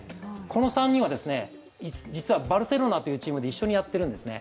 この３人は、実はバルセロナというチームで一緒にやってるんですね。